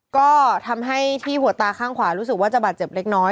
ก็ทำให้ที่หัวตาข้างขวารู้สึกว่าจะบาดเจ็บเล็กน้อย